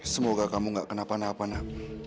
semoga kamu enggak kena panah panah